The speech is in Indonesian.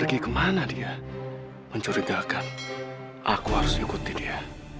pergi kemana dia mencurigakan aku harus ikuti dia